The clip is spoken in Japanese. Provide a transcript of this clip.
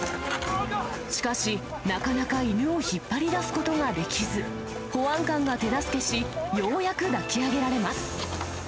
しかし、なかなか犬を引っ張り出すことができず、保安官が手助けし、ようやく抱き上げられます。